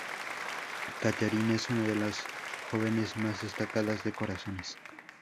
Catherine es una de las jóvenes más destacadas de corazones.